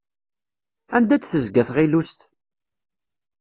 Anda d-tezga tɣilust?